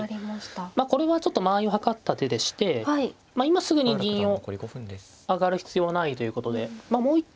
まあこれはちょっと間合いを図った手でして今すぐに銀を上がる必要ないということでもう一手